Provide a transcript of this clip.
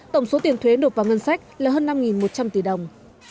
tổng số tiền thuế nộp vào ngân sách là hơn năm một trăm linh tỷ đồng